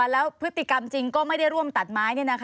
แล้วพฤติกรรมจริงก็ไม่ได้ร่วมตัดไม้